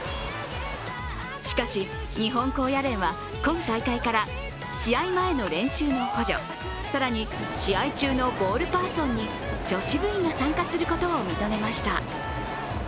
しかし、日本高野連は今大会から試合前の練習の補助、更に試合中のボールパーソンに女子部員が参加することを認めました。